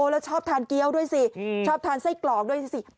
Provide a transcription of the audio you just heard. แล้วชอบทานเกี้ยวด้วยสิชอบทานไส้กรอกด้วยสิ